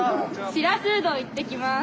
・白須うどん行ってきます。